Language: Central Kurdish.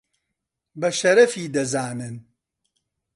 بە شەرەفی دەزانن